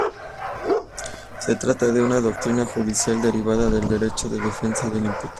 Se trata de una doctrina judicial derivada del derecho de defensa del imputado.